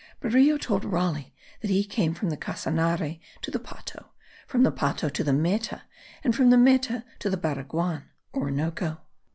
Berrio told Raleigh that he came from the Casanare to the Pato, from the Pato to the Meta, and from the Meta to the Baraguan (Orinoco).